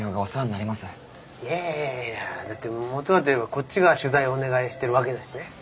いやいやいやいやだってもとはと言えばこっちが取材をお願いしてるわけだしね。